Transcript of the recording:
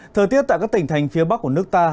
thời tiết tại các tỉnh thành phía bắc của nước ta